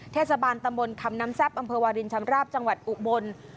เทศบาลตำบลคำน้ำแซ่บอำเภอวาลินชำราบจังหวัดอุบล